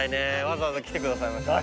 わざわざ来てくださいました。